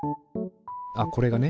あっこれがね